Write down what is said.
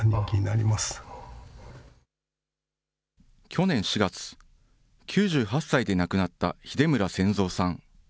去年４月、９８歳で亡くなった秀村選三さん。